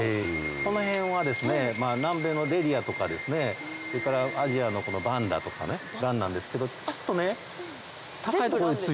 この辺は南米のレリアとかアジアのバンダとかね蘭なんですけどちょっとね。